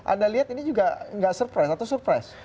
anda lihat ini juga nggak surprise atau surprise